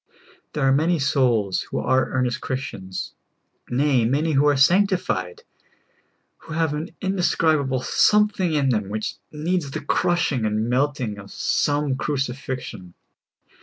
* There are many souls w^ho are earnest Christians — nay, man}^ who are sanctified — who have an indescribable something in them which needs the crushing and melting of some great cru cifixion.